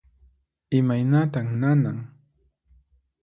Imaynatan nanan?